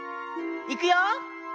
いくよ。